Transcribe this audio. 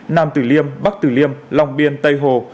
nam tử liêm bắc tử liêm long biên tây hồ